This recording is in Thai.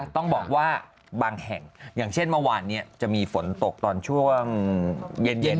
ต้องบอกว่าบางแห่งอย่างเช่นเมื่อวานนี้จะมีฝนตกตอนช่วงเย็น